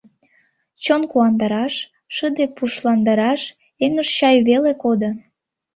Чон куандараш, шыде пушландараш эҥыж чай веле кодо...